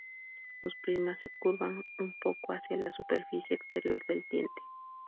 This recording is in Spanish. Los prismas se curvan un poco hacia la superficie exterior del diente.